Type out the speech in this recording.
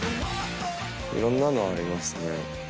いろんなのありますね。